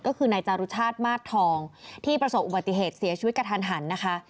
ก็คือนายจารุชาติมาสทองที่ประสบอุบัติเหตุเสียชีวิตกระทันหันนะคะ